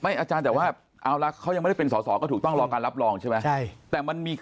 อาจารย์แต่ว่าเอาละเขายังไม่ได้เป็นสอสอก็ถูกต้องรอการรับรองใช่ไหม